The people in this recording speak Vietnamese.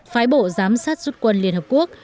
phái bộ giám sát rút quân liên hợp quốc